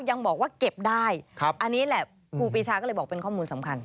ยังบอกว่าเก็บได้อันนี้แหละครูปีชาก็เลยบอกเป็นข้อมูลสำคัญ